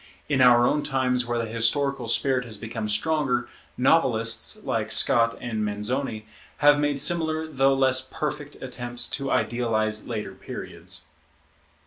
In our own times where the historical spirit has become stronger, novelists, like Scott and Manzoni, have made similar though less perfect attempts to idealize later periods.